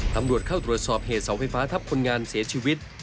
ตำรวจเข้าตรวจสอบเหตุเสาไฟฟ้าทับคนงานเสียชีวิต